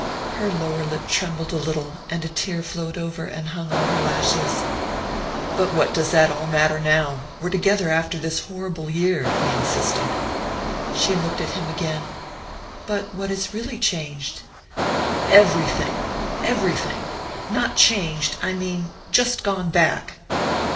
Her lower lip trembled a little, and a tear flowed over and hung on her lashes. "But what does all that matter now? We're together after this horrible year," he insisted. She looked at him again. "But what is really changed?" "Everything everything! Not changed, I mean just gone back."